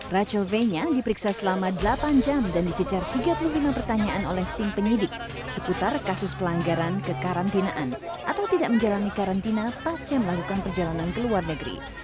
rachel venya diperiksa selama delapan jam dan dicecar tiga puluh lima pertanyaan oleh tim penyidik seputar kasus pelanggaran kekarantinaan atau tidak menjalani karantina pasca melakukan perjalanan ke luar negeri